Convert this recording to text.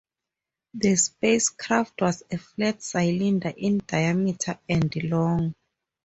The spacecraft was a flat cylinder, in diameter and long.